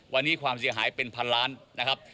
วันนี้ความเสียหายเป็น๑๐๐๐ล้านบาท